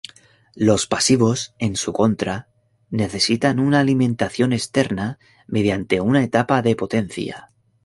Los pasivos, en su contra, necesitan una alimentación externa mediante una etapa de potencia.